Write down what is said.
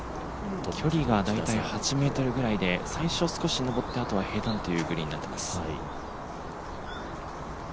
距離が大体８ｍくらいで、最初少し上ったあとは平坦というグリーンです。